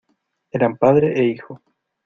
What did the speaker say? eran padre e hijo.